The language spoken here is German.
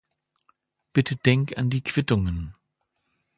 Bitte denk an die Quittungen.